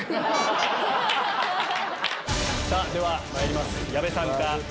ではまいります矢部さんか？